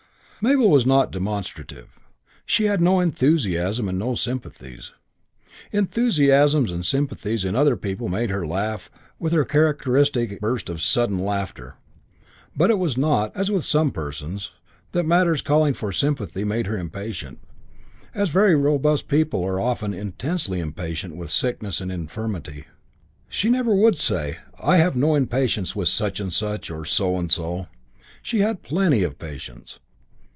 III Mabel was not demonstrative. She had no enthusiasms and no sympathies. Enthusiasms and sympathies in other people made her laugh with her characteristic burst of sudden laughter. It was not, as with some persons, that matters calling for sympathy made her impatient, as very robust people are often intensely impatient with sickness and infirmity. She never would say, "I have no patience with such and such or so and so." She had plenty of patience.